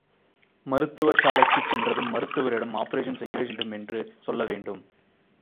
மருத்துவசாலைக்குச் சென்றதும் மருத்துவரிடம் ஆப்பரேஷன் செய்யவேண்டும் என்று சொல்லவேண்டும்.